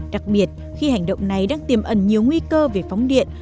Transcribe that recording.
đặc biệt khi hành động này đang tiềm ẩn nhiều nguy cơ về phóng điện